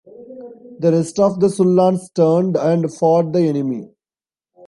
The rest of the Sullans turned and fought the enemy.